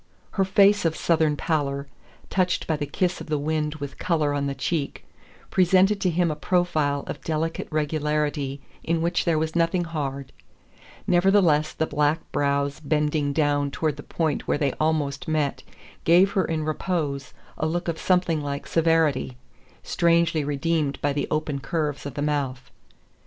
Her face of Southern pallor, touched by the kiss of the wind with color on the cheek, presented to him a profile of delicate regularity in which there was nothing hard; nevertheless the black brows bending down toward the point where they almost met gave her in repose a look of something like severity, strangely redeemed by the open curves of the mouth.